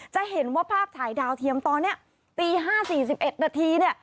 จะเห็นว่าภาพถ่ายดาวเทียมตอนนี้ตี๕๔๑นาทีเนี่ย